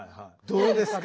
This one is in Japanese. どうですか？